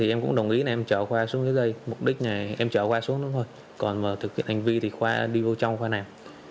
em cũng đồng ý em chở khoa xuống dưới đây mục đích này em chở khoa xuống đó thôi còn thực hiện hành vi thì khoa đi vô trong khoa nam